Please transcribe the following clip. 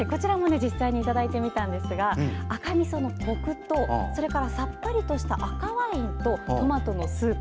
実際にいただいたんですが赤みそのコクとさっぱりとした赤ワインとトマトのスープ。